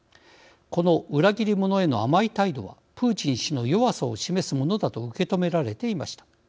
この裏切り者への甘い態度はプーチン氏の弱さを示すものだと受け止められていました。